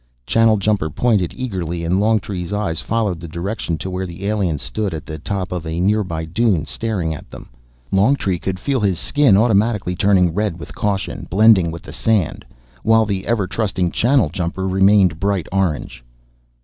Channeljumper pointed eagerly, and Longtree's eyes followed the direction to where the alien stood at the top of a nearby dune staring at them. Longtree could feel his skin automatically turning red with caution, blending with the sand while the ever trusting Channeljumper remained bright orange.